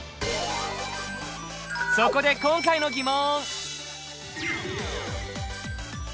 そこで今回の疑問！